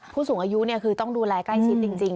ผู้สูงอายุคือต้องดูแลใกล้ชิดจริง